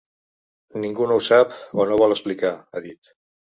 Ningú no ho sap o no vol explicar, ha dit.